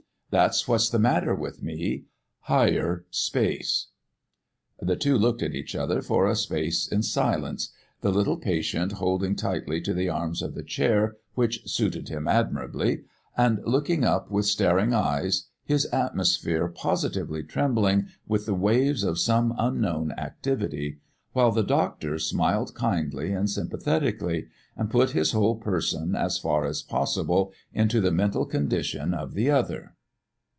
That's what's the matter with me Higher Space!" The two looked at each other for a space in silence, the little patient holding tightly to the arms of the chair which "suited him admirably," and looking up with staring eyes, his atmosphere positively trembling with the waves of some unknown activity; while the doctor smiled kindly and sympathetically, and put his whole person as far as possible into the mental condition of the other.